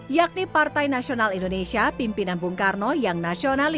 yakni partai nasional indonesia